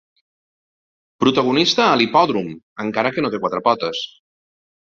Protagonista a l'hipòdrom, encara que no té quatre potes.